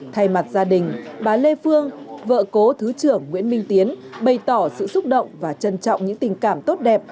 thay mặt gia đình bà lê phương vợ cố thứ trưởng nguyễn minh tiến bày tỏ sự xúc động và trân trọng những tình cảm tốt đẹp